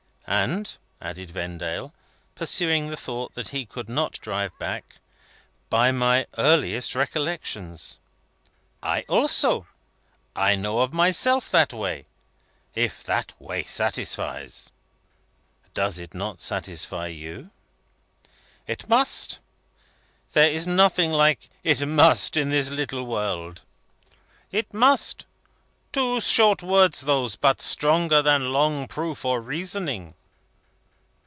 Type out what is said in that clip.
"And," added Vendale, pursuing the thought that he could not drive back, "by my earliest recollections." "I also. I know of myself that way if that way satisfies." "Does it not satisfy you?" "It must. There is nothing like 'it must' in this little world. It must. Two short words those, but stronger than long proof or reasoning."